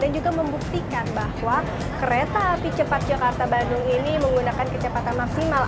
dan juga membuktikan bahwa kereta api cepat jakarta bandung ini menggunakan kecepatan maksimal